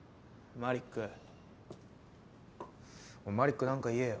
マリックなんか言えよ。